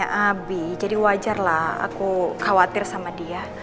aku nanya abi jadi wajarlah aku khawatir sama dia